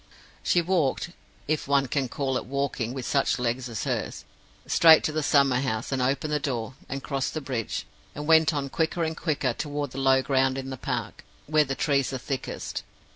She walked (if one can call it walking; with such legs as hers!) straight to the summer house, and opened the door, and crossed the bridge, and went on quicker and quicker toward the low ground in the park, where the trees are thickest.